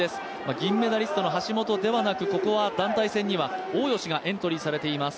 銀メダリストの橋本ではなく、この団体戦では大吉がエントリーされています。